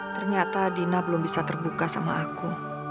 ternyata dina belum bisa terbuka sama aku